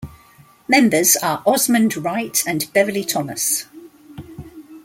Members are Osmond Wright and Beverly Thomas.